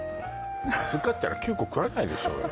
まずかったら９個食わないでしょうよ